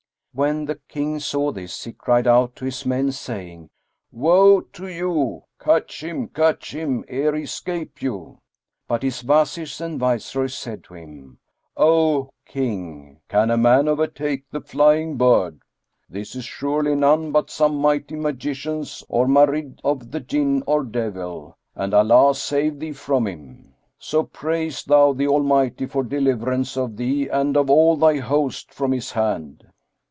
When the King saw this, he cried out to his men, saying, "Woe to you! catch him, catch him, ere he 'scape you!" But his Wazirs and Viceroys said to him, "O King, can a man overtake the flying bird? This is surely none but some mighty magician or Marid of the Jinn or devil, and Allah save thee from him. So praise thou the Almighty for deliverance of thee and of all thy host from his hand."